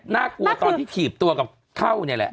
น่ากลัวตอนที่ถีบตัวกับเข้าเนี่ยแหละ